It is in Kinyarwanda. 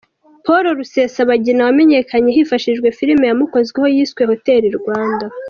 Paul Rusesabagina wamenyekanye hifashishijwe filimi yamukozweho yiswe ’Hotel Rwanda’.